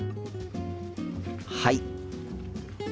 はい。